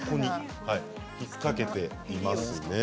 引っ掛けていますね。